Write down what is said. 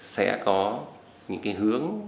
sẽ có những cái hướng